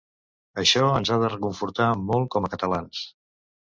Això ens ha de reconfortar molt com a catalans.